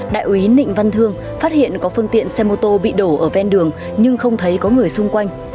đại úy nịnh văn thương phát hiện có phương tiện xe mô tô bị đổ ở ven đường nhưng không thấy có người xung quanh